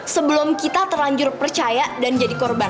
sebelum kita terlanjur percaya dan jadi korban